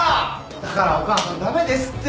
だからお母さん駄目ですって。